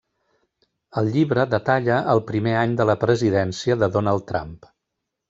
El llibre detalla el primer any de la presidència de Donald Trump.